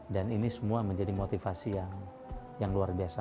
dan ini semua menjadi motivasi yang luar biasa